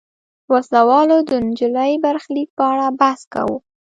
وسله والو د نجلۍ برخلیک په اړه بحث کاوه.